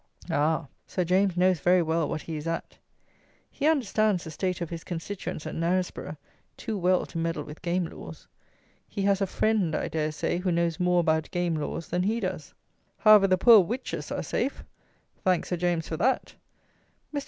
Ah! Sir James knows very well what he is at. He understands the state of his constituents at Knaresborough too well to meddle with game laws. He has a "friend," I dare say, who knows more about game laws than he does. However, the poor witches are safe: thank Sir James for that. Mr.